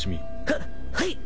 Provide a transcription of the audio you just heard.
はっはい！